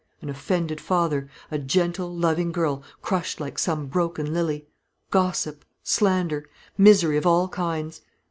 An offended father; a gentle, loving girl crushed like some broken lily; gossip, slander; misery of all kinds.